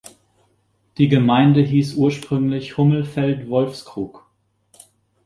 Die Gemeinde hieß ursprünglich Hummelfeld-Wolfskrug.